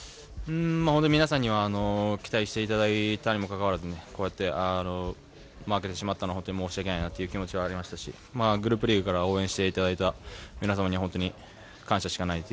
皆さんには期待していただいたにもかかわらずこうやって負けてしまったのは本当に申し訳ないという気持ちはありましたしグループリーグから応援していただいた皆さまに感謝しかないです。